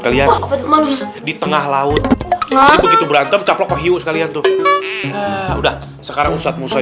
ximhan di tengah lautan these berantem capai status kalian tuh udah sekarang ustadz musiamd